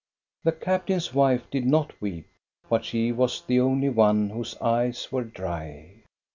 The captain's wife did not weep ; but she was the only one whose eyes were dry.